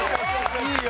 いいよ！